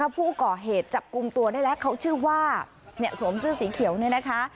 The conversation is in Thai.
ผู้ก่อเหตุจับกลุ่มตัวได้แล้วเขาชื่อว่าสวมเสื้อสีเขียวเนี่ยนะคะ